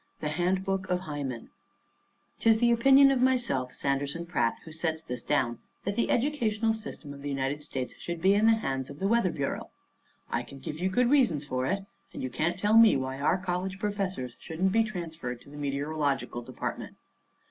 IV THE HANDBOOK OF HYMEN 'Tis the opinion of myself, Sanderson Pratt, who sets this down, that the educational system of the United States should be in the hands of the weather bureau. I can give you good reasons for it; and you can't tell me why our college professors shouldn't be transferred to the meteorological department.